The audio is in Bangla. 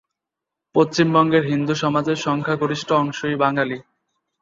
পশ্চিমবঙ্গের হিন্দু সমাজের সংখ্যাগরিষ্ঠ অংশই বাঙালি।